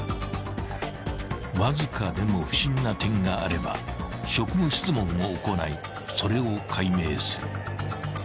［わずかでも不審な点があれば職務質問を行いそれを解明する］